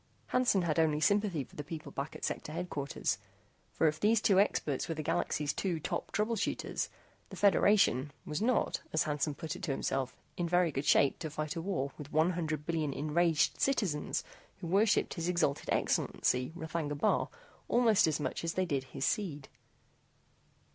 Hansen had only sympathy for the people back at Sector Headquarters, for if these two experts were the Galaxy's two top trouble shooters, the Federation, was not, as Hansen put it to himself, in very good shape to fight a war with one hundred billion enraged citizens who worshiped His Exalted Excellency R'thagna Bar almost as much as they did his seed.